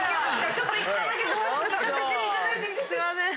ちょっと一回だけごわす聞かせて頂いてすいません。